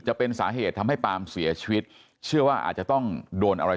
จะเป็นสาเหตุทำให้ปาล์มเสียชีวิตเชื่อว่าอาจจะต้องโดนอะไร